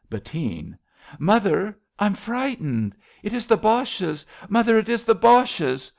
Bettine. Mother, I'm frightened ! It is the Boches ! Mother, it is the Boches